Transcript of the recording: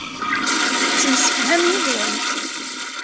Tettemsefham yid-wen.